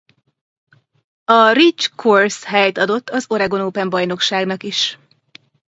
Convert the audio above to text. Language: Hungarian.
A Ridge Course helyt adott az Oregon Open bajnokságnak is.